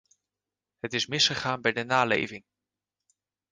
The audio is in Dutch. Het is misgegaan bij de naleving.